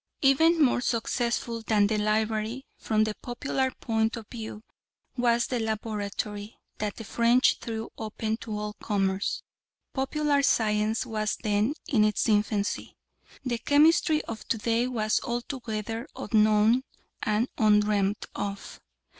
Even more successful than the library, from the popular point of view, was the laboratory that the French threw open to all comers. Popular science was then in its infancy. The chemistry of to day was altogether unknown and undreamt of.